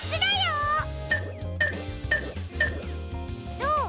どう？